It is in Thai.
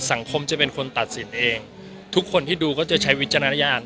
สังคมจะเป็นคนตัดสินเองทุกคนที่ดูก็จะใช้วิจารณญาณ